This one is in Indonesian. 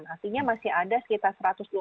artinya masih ada sekitar satu ratus dua puluh